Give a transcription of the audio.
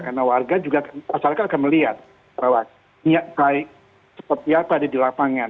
karena warga juga akan melihat bahwa ini kayak seperti apa ada di lapangan